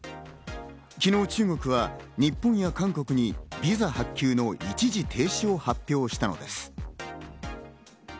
昨日、中国は日本や韓国にビザ発給の一時停止を発表したのです。